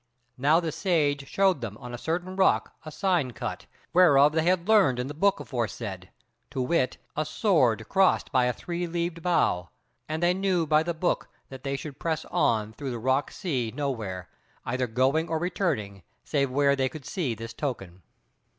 Now the Sage showed them on a certain rock a sign cut, whereof they had learned in the book aforesaid, to wit, a sword crossed by a three leaved bough; and they knew by the book that they should press on through the rock sea nowhere, either going or returning, save where they should see this token.